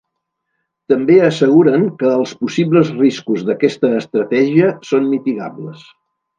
També asseguren que els possibles riscos d’aquesta estratègia són mitigables.